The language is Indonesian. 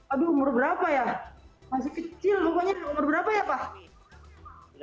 aduh berapa ya masih kecil umur berapa ya pak